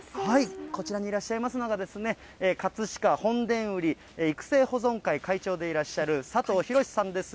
こちらにいらっしゃいますのが、葛飾本田ウリ育成保存会会長でいらっしゃる佐藤洋司さんです。